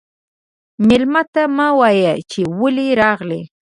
مېلمه ته مه وايه چې ولې راغلې.